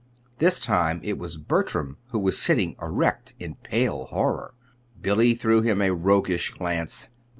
This time it was Bertram who was sitting erect in pale horror. Billy threw him a roguish glance.